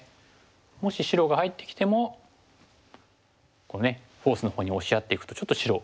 もし白が入ってきてもこうフォースのほうに押しやっていくとちょっと白。